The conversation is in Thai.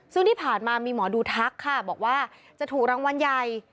ซึ่งที่ผ่านมามีหมอดูทักค่ะบอกว่าจะถูกรางวัลใหญ่